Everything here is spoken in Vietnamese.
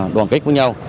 đoàn kết với nhau